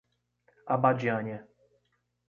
Abadiânia